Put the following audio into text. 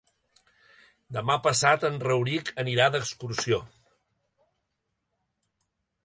Demà passat en Rauric anirà d'excursió.